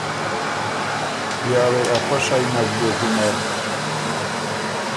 یا وې افۀ شئ نک بیوک وینر۔